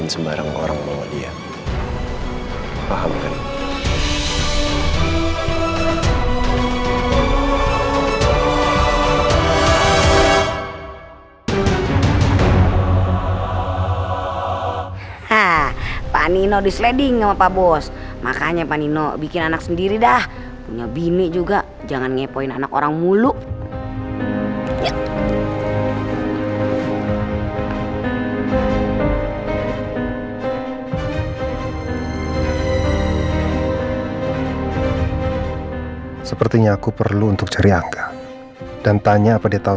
sampai jumpa di video selanjutnya